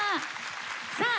さあ